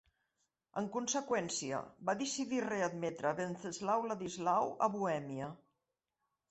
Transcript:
En conseqüència, va decidir readmetre Venceslau-Ladislau a Bohèmia.